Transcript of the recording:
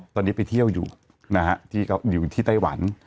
ตอนนี้ไปเที่ยวอยู่ที่ไต้หวัน